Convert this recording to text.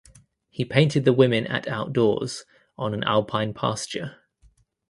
He painted the women at outdoors on an alpine pasture.